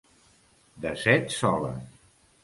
De set soles.